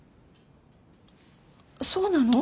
そうなの？